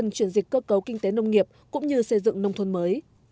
cơ cấu kinh tế nông nghiệp cũng như xây dựng nông thôn mới